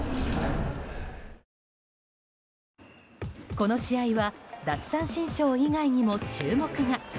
この試合は奪三振ショー以外にも注目が。